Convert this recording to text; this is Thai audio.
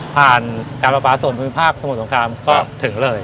ผ่านกาลปลาส่วนบุญภาคสมุทรสมความถึงเลย